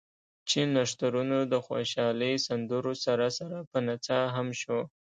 چې نښترونو د خوشالۍ سندرو سره سره پۀ نڅا هم شو ـ